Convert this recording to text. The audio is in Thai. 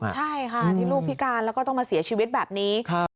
ใช่ค่ะที่ลูกพิการแล้วก็ต้องมาเสียชีวิตแบบนี้